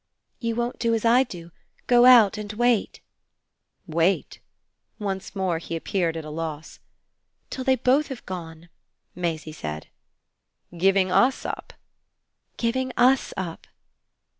"You won't do as I do? Go out and wait?" "Wait?" once more he appeared at a loss. "Till they both have gone," Maisie said. "Giving US up?" "Giving US up."